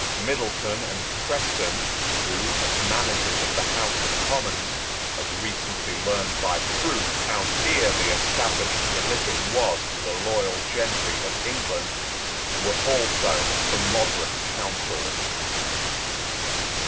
Middleton and Preston, who, as managers of the House of Commons, had recently learned by proof how dear the established religion was to the loyal gentry of England, were also for moderate counsels.